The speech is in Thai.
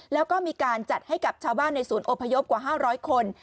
แล้วก็มีการจัดให้กับชาวบ้านในศูนย์อพยพกว่า๕๐๐คน